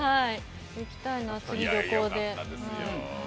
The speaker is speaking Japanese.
行きたいな、次、旅行で。